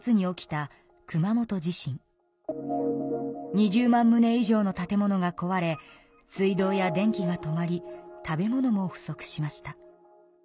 ２０万むね以上の建物がこわれ水道や電気が止まり食べ物も不足しました。